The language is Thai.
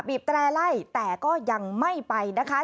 แตร่ไล่แต่ก็ยังไม่ไปนะคะ